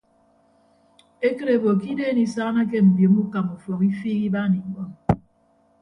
Ekịt ebo ke ideen isaanake mbiomo ukama ufọk ifiik ibaan ikpọọñ.